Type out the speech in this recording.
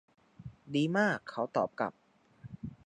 ดีมาก เขาตอบกลับ